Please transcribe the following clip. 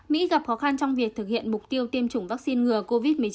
mỹ gặp khó khăn trong việc thực hiện mục tiêu tiêm chủng vaccine ngừa covid một mươi chín